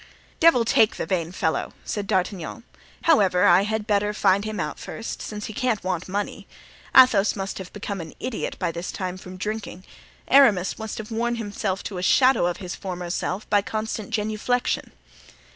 "Devil take the vain fellow," said D'Artagnan. "However, I had better find him out first, since he can't want money. Athos must have become an idiot by this time from drinking. Aramis must have worn himself to a shadow of his former self by constant genuflexion."